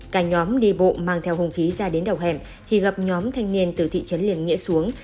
cả nhóm đi bộ mang theo hùng khí ra đến đầu hẻm thì gặp nhóm thanh niên từ thị trấn liên nghĩa xuống